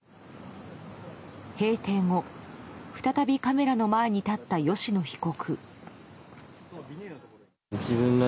閉廷後、再びカメラの前に立った吉野被告。